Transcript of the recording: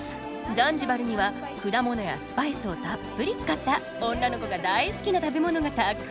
ザンジバルには果物やスパイスをたっぷり使った女の子が大好きな食べ物がたくさん。